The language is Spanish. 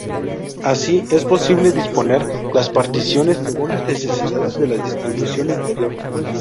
Así, es posible disponer las particiones según las necesidades de la distribución interior.